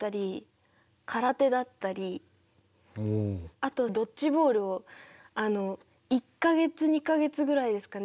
あとドッジボールをあの１か月２か月ぐらいですかね